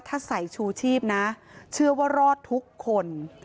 ถ้าใส่ชูชีพนะเชื่อว่ารอดทุกคน